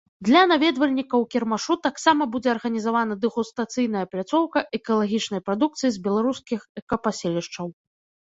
Для наведвальнікаў кірмашу таксама будзе арганізавана дэгустацыйная пляцоўка экалагічнай прадукцыі з беларускіх экапаселішча.